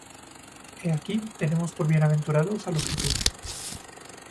He aquí, tenemos por bienaventurados á los que sufren.